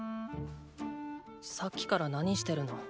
さっきから何してるの？